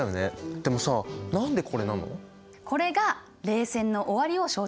でもさ何でこれなの？